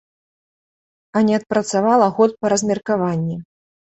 А не адпрацавала год па размеркаванні.